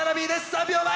３秒前！